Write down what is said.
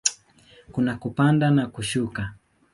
Kuna kupanda na kushuka.